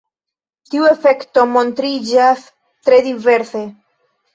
Tiu efekto montriĝas tre diverse.